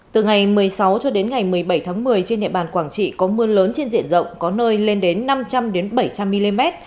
từ ngày một mươi sáu cho đến ngày một mươi bảy tháng một mươi trên địa bàn quảng trị có mưa lớn trên diện rộng có nơi lên đến năm trăm linh bảy trăm linh mm